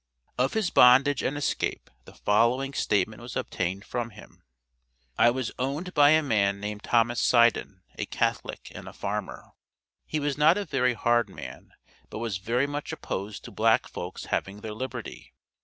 Of his bondage and escape the following statement was obtained from him: "I was owned by a man named Thomas Sydan, a Catholic, and a farmer. He was not a very hard man, but was very much opposed to black folks having their liberty.